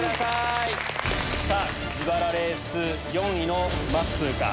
さぁ自腹レース４位のまっすーか？